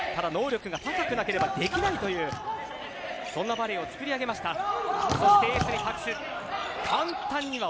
能力が高くなければできないというそんなバレーをつくり上げました。